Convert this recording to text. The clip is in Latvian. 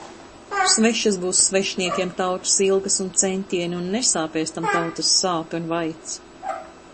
Svešas būs svešniekiem tautas ilgas un centieni un nesāpēs tam tautas sāpe un vaids.